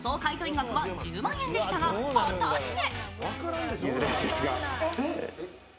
額は１０万円でしたが、果たして？